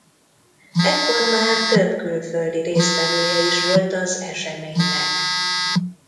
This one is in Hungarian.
Ekkor már több külföldi résztvevője is volt az eseménynek.